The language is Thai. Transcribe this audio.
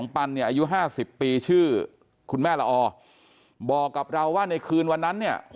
๕๐ปีชื่อคุณแม่ละอบอกกับเราว่าในคืนวันนั้นเนี่ย๖